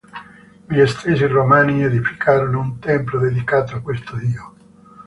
Gli stessi Romani edificarono un tempio dedicato a questo dio.